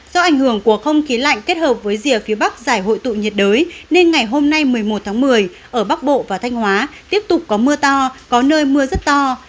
do ảnh hưởng của không khí lạnh kết hợp với rìa phía bắc giải hội tụ nhiệt đới nên ngày hôm nay một mươi một tháng một mươi ở bắc bộ và thanh hóa tiếp tục có mưa to có nơi mưa rất to